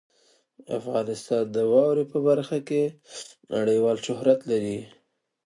افغانستان د واوره په برخه کې نړیوال شهرت لري.